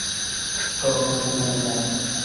河漫滩草甸有时沿河流延伸数十至数百公里。